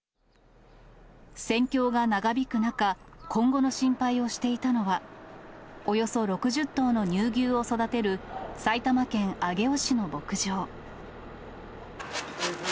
戦況が長引く中、今後の心配をしていたのは、およそ６０頭の乳牛を育てる、埼玉県上尾市の牧場。